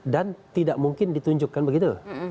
dan tidak mungkin ditunjukkan begitu